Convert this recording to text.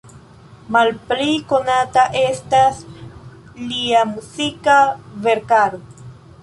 Malpli konata estas lia muzika verkaro.